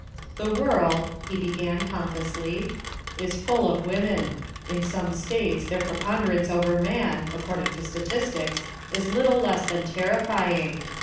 " The world," he began pompously, " is full of women. In some States their preponderance over man (according to statistics) is little less than terrifying.